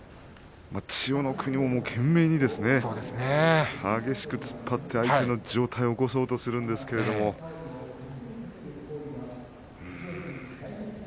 千代の国も懸命に激しく突っ張って相手の上体を起こそうとするんですけれどうーん。